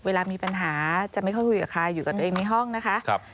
เวลามีปัญหาจะไม่ค่อยคุยกับใครอยู่กับตัวเองในห้องนะคะ